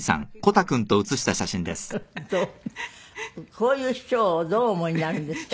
こういう師匠をどうお思いになるんですか？